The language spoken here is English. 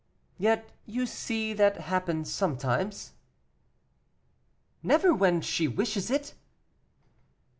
"Yet you see that happens sometimes." "Never when she wishes it."